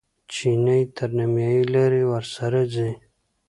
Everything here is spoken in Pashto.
چیني تر نیمایي لارې ورسره ځي.